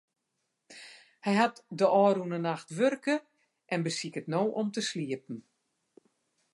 Hy hat de ôfrûne nacht wurke en besiket no om te sliepen.